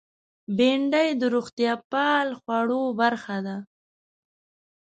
بېنډۍ د روغتیا پال خوړو برخه ده